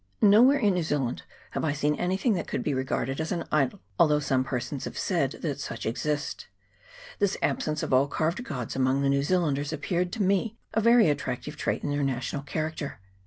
Nowhere in New Zealand have I seen anything that could be regarded as an idol, although some persons have said that such exist. This absence of all carved gods among the New Zealanders appeared to me a very attractive trait in their national character.